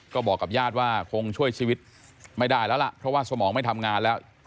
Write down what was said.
ก็บอกกับญาติว่าคงช่วยชีวิตไม่ได้แล้วล่ะเพราะว่าสมองไม่ทำงานแล้ว